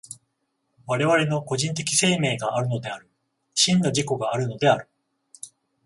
我々の個人的生命があるのである、真の自己があるのである。